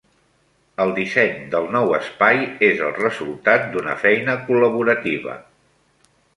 El disseny del nou espai és el resultat d'una feina col·laborativa.